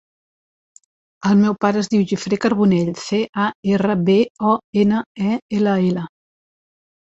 El meu pare es diu Guifré Carbonell: ce, a, erra, be, o, ena, e, ela, ela.